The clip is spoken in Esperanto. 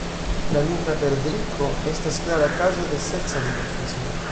La Nigra perdriko estas klara kazo de seksa dimorfismo.